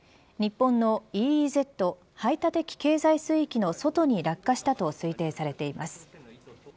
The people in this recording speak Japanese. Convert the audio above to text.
日本のＥＥＺ排他的経済水域の外に落下したと推定されています。